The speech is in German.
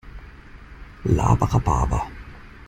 Laber Rhabarber!